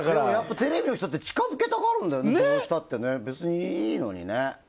でもやっぱ、テレビの人って近づけたがるんだよね、どうしたってね、別にいいのにね。